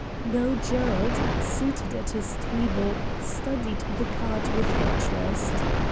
Now Gerald, seated at his table, studied the card with interest.